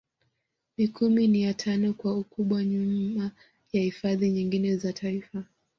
Mikumi ni ya tano kwa ukubwa nyuma ya hifadhi nyingine za Taifa